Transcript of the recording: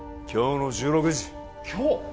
今日の１６時今日？